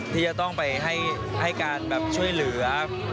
ที่จะต้องไปให้การแบบช่วยเหลือ